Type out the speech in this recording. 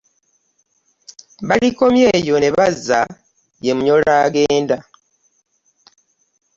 Balikomya eyo ne bazza ,ye Munyoro agenda .